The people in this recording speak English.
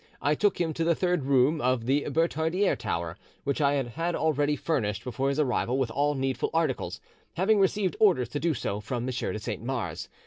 I took him to the third room of the Bertaudiere tower, which I had had already furnished before his arrival with all needful articles, having received orders to do so from M. de Saint Mars.